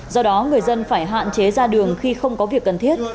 do đó người dân phải hạn chế ra đường khi không có việc cần thiết